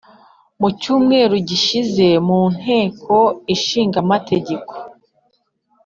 mu cyumweru gishize mu nteko ishinga amategeko,